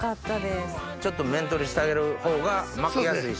ちょっと面取りしてあげるほうが巻きやすいし。